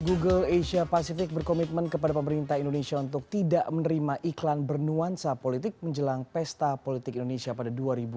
google asia pacific berkomitmen kepada pemerintah indonesia untuk tidak menerima iklan bernuansa politik menjelang pesta politik indonesia pada dua ribu dua puluh